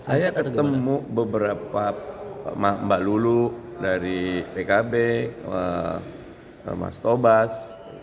saya ketemu beberapa mbak lulu dari pkb mas tobas